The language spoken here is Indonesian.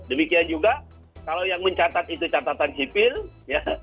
demikian juga kalau yang mencatat itu catatan sipil ya